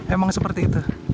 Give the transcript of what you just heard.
emang seperti itu